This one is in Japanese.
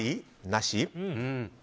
なし？